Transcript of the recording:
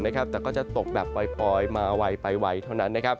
แต่ก็จะตกแบบปล่อยมาไวไปไวเท่านั้น